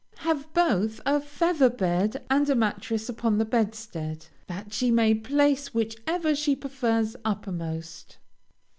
Have both a feather bed and a mattress upon the bedstead, that she may place whichever she prefers uppermost.